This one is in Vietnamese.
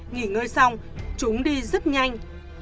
nghỉ ngơi xong chúng đi rất nhanh